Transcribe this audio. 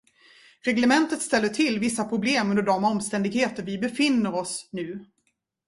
Reglementet ställer till vissa problem under de omständigheter vi befinner oss nu.